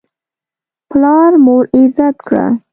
پلار مور عزت کړه.